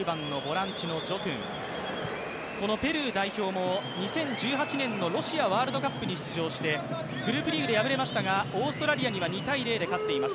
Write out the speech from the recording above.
ペルー代表も２０１８年のロシアワールドカップに出場してグループリーグで敗れましたがオーストラリアには２−０で勝っています。